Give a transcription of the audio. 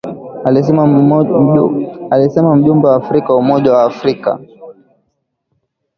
Alisema mjumbe wa Umoja wa Afrika, Mohamed Lebatt katika mkutano wa pamoja na waandishi wa habari mjini Khartoum.